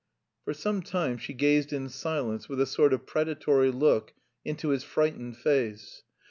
For some time she gazed in silence with a sort of predatory look into his frightened face.